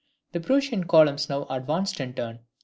The Prussian columns now advanced in turn.